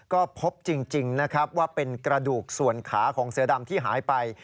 ก็พบจริงนะครับว่าเป็นกระดูกส่วนขาของเสือดำที่หายไป